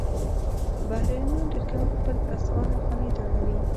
بهرنیان ډېر کم خپل اسعار افغانیو ته اړوي.